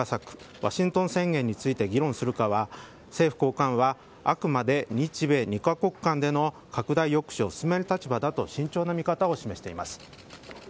ワシントン宣言について議論するかは政府高官はあくまで日米２カ国間での拡大抑止を進める立場だと慎重な見方を示しています。